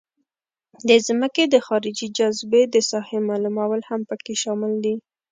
د ځمکې د خارجي جاذبې د ساحې معلومول هم پکې شامل دي